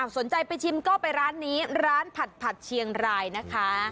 สนใจไปชิมก็ไปร้านนี้ร้านผัดเชียงรายนะคะ